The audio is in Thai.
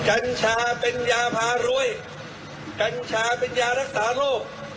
กัญชาเป็นยาพารวยกัญชาเป็นยารักษาโรค